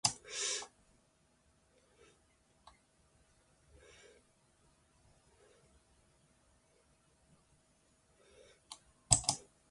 It pear wie sûnt ein juny mei fakânsje.